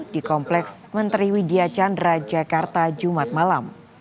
di kompleks menteri widya chandra jakarta jumat malam